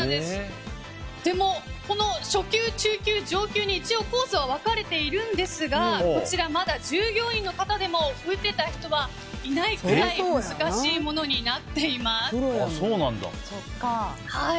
この初級、中級、上級に一応、コースは分かれているんですがまだ従業員の方でも打てた人はいないくらい難しいものになっています。